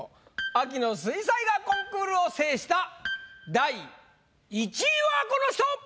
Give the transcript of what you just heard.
秋の水彩画コンクールを制した第１位はこの人！